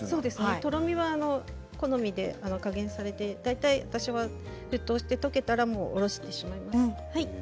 とろみは好みで加減されて大体、私が沸騰して溶けたらもうおろしてしまいます。